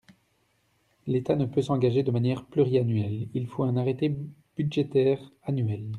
L’État ne peut s’engager de manière pluriannuelle : il faut un arrêté budgétaire annuel.